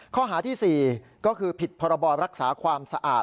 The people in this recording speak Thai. ข้อหาที่๔ก็คือผิดพรบรักษาความสะอาด